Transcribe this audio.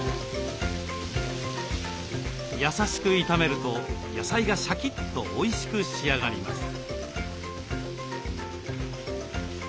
優しく炒めると野菜がシャキッとおいしく仕上がります。